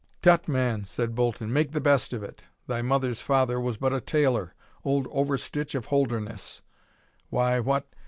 "Tut! man," said Bolton, "make the best of it, thy mother's father was but a tailor, old Overstitch of Holderness Why, what!